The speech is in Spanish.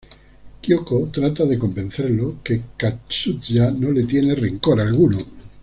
Kyoko trata de convencerlo que Katsuya no le tiene rencor alguno.